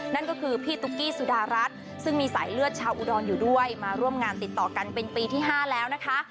นั่นก็คือพี่ตุ๊กกี้สุดารัฐซึ่งมีสายเลือดชาวอุดรอยู่ด้วยมาร่วมงานติดต่อกันเป็นปีที่๕แล้วนะคะ